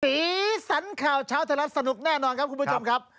สีสันข่าวเช้าไทยรัฐสนุกแน่นอนครับคุณผู้ชมครับ